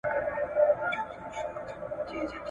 د دې خیالي نظریو عملي کول په ریښتیني ژوند کې ډېر ستونزمن وي.